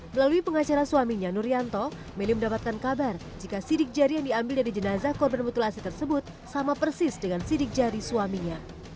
melalui pengacara suaminya nurianto meli mendapatkan kabar jika sidik jari yang diambil dari jenazah korban mutilasi tersebut sama persis dengan sidik jari suaminya